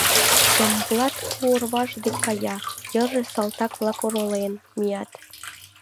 Ямблат пу орваже деке кая, йырже салтак-влак оролен мият.